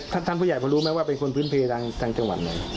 แต่ท่านผู้ใหญ่เค้ารู้ไหมว่าเป็นคนพื้นเพลยาทางจังหวันไหน